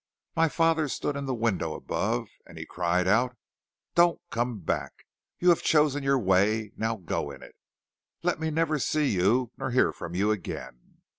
My father stood in the window above, and he cried out: 'Don't come back! You have chosen your way, now go in it. Let me never see you nor hear from you again.'